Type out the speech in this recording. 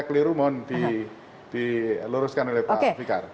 keliru mohon diluruskan oleh pak fikar